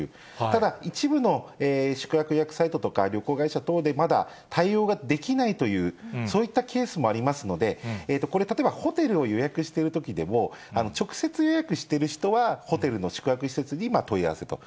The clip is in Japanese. ただ、一部の宿泊予約サイトとか旅行会社等で、まだ対応ができないという、そういったケースもありますので、これ、例えばホテルを予約してるときでも、直接予約している人はホテルの宿泊施設に問い合わせと。